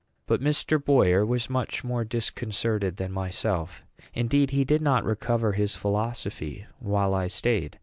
But Mr. Boyer was much more disconcerted than myself. Indeed, he did not recover his philosophy while I staid.